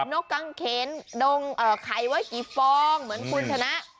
นกกังเข็นดงไข่ไว้กี่ฟองเหมือนคุณชนะ